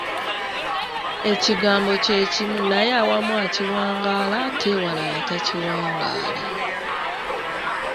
Ekigambo kye kimu naye awamu akiwangaala ate ewalala takiwangaala.